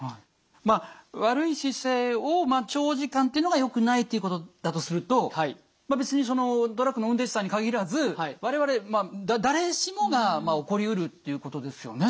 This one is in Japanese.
まあ悪い姿勢を長時間っていうのがよくないっていうことだとすると別にトラックの運転手さんに限らず我々誰しもが起こりうるっていうことですよね。